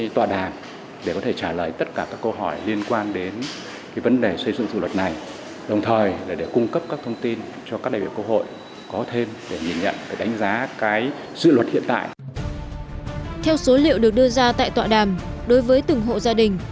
theo số liệu được đưa ra tại tọa đàm đối với từng hộ gia đình